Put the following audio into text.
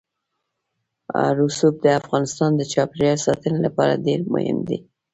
رسوب د افغانستان د چاپیریال ساتنې لپاره ډېر مهم دي.